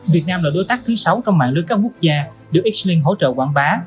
việt nam là đối tác thứ sáu trong mạng lưới các quốc gia được esting hỗ trợ quảng bá